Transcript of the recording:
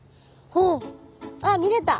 あっあっ見れた。